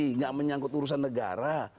tidak menyangkut urusan negara